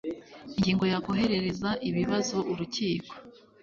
ingingo ya koherereza ibibazo urukiko